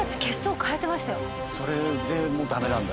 それでもダメなんだ。